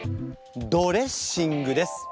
ドレッシングです。